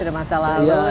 sudah masa lalu